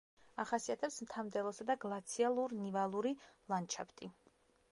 ახასიათებს მთა-მდელოსა და გლაციალურ-ნივალური ლანდშაფტი.